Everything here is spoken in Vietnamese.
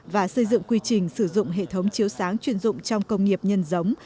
và xây dựng quy trình sử dụng hệ thống chiếu sáng chuyên dụng trong công nghiệp nhân giống